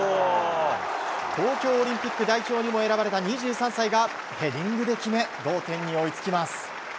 東京オリンピック代表にも選ばれた２３歳がヘディングで決め同点に追いつきます。